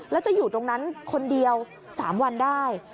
แล้วจะอยู่ตรงนั้นคนเดียว๓วันได้